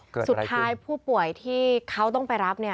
เกิดอะไรขึ้นสุดท้ายผู้ป่วยที่เขาต้องไปรับ